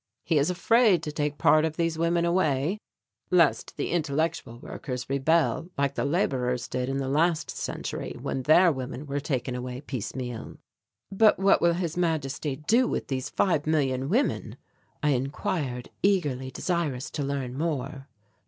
He is afraid to take part of these women away, lest the intellectual workers rebel like the labourers did in the last century when their women were taken away piecemeal." "But what will His Majesty do with these five million women?" I inquired, eagerly desirous to learn more.